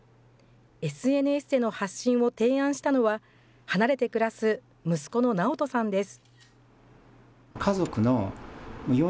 ＳＮＳでの発信を提案したのは、離れて暮らす息子の直人さんです。